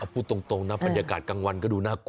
พูดตรงนะบรรยากาศกลางวันก็ดูน่ากลัว